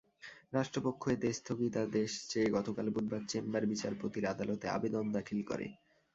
রাষ্ট্রপক্ষ এতে স্থগিতাদেশ চেয়ে গতকাল বুধবার চেম্বার বিচারপতির আদালতে আবেদন দাখিল করে।